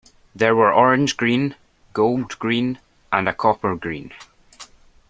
There were orange-green, gold-green, and a copper-green.